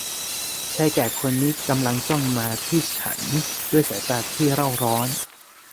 ชายแก่คนนี้กำลังจ้องมองมาที่ฉันด้วยสายตาที่เร่าร้อน